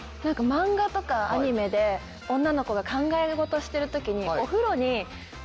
漫画とかアニメで女の子が考え事をしてる時に。